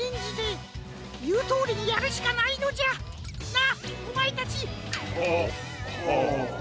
なあおまえたち！ははあ。